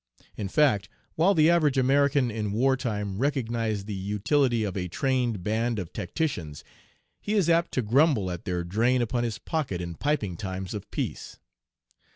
In fact, while the average American in war time recognized the utility of a trained band of tacticians, he is apt to grumble at their drain upon his pocket in piping times of peace.